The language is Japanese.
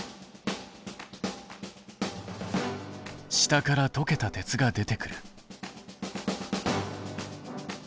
下からとけた鉄が出てくる。